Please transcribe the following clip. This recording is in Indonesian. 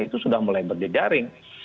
itu sudah mulai berjejaring